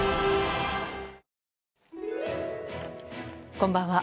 こんばんは。